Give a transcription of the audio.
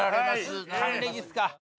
還暦っすか。